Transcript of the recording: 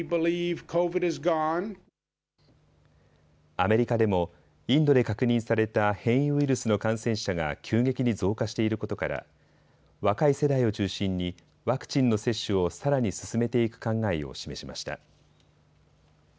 アメリカでもインドで確認された変異ウイルスの感染者が急激に増加していることから若い世代を中心にワクチンの接種をさらに進めていく考えを示しました。